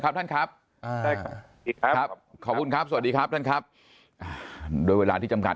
ครับท่านครับครับขอบคุณครับสวัสดีครับท่านครับโดยเวลาที่จำกัด